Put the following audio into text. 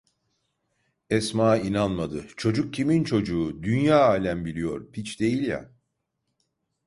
Esma inanmadı: "Çocuk kimin çocuğu? Dünya alem biliyor… Piç değil a!"